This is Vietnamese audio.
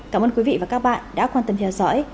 cảm ơn quý vị và các bạn đã quan tâm theo dõi